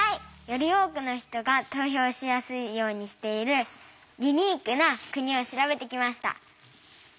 より多くの人が投票しやすいようにしているユニークな国を調べてきました。